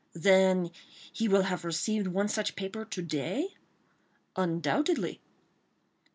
"Then he will have received one such paper to day?" "Undoubtedly."